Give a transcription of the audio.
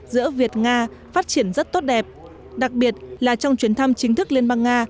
giữa việt nga phát triển rất tốt đẹp đặc biệt là trong chuyến thăm chính thức liên bang nga